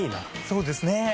そうですね。